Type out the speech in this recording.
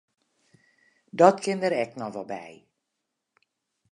Dat kin der ek noch wol by.